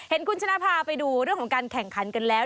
คุณชนะพาไปดูเรื่องของการแข่งขันกันแล้ว